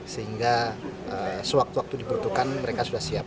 sehingga sewaktu waktu dibutuhkan mereka sudah siap